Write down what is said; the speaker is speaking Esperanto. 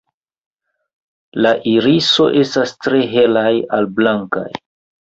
La iriso estas tre helaj al blankaj.